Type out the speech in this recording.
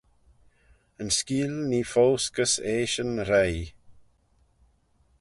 Yn skeeal nee foast gys eashyn roie.